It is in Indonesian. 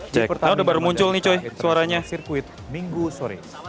di pertamina grand prix of indonesia